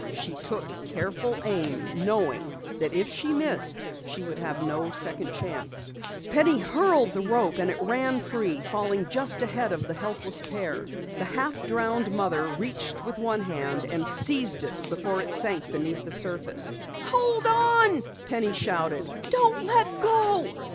She took careful aim, knowing that if she missed she would have no second chance. Penny hurled the rope and it ran free, falling just ahead of the helpless pair. The half drowned mother reached with one hand and seized it before it sank beneath the surface. "Hold on!" Penny shouted. "Don't let go!"